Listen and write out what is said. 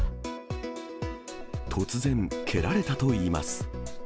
突然、蹴られたといいます。